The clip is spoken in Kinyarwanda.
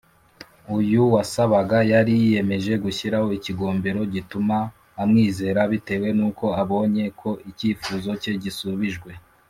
, uyu wasabaga yari yiyemeje gushyiraho ikigombero gituma amwizera bitewe n’uko abonye ko icyifuzo cye gisubijwe